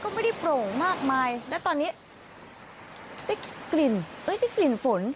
ก็ไม่ได้โปร่งมากมายและตอนนี้กลิ่นเกลือเกลียดฝน